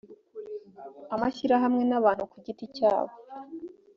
amashyirahamwe n abantu ku giti cyabo